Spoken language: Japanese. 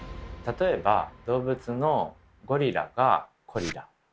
例えば動物のゴリラが「コリラ」